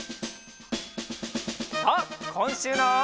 さあこんしゅうの。